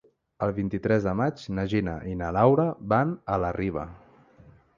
El vint-i-tres de maig na Gina i na Laura van a la Riba.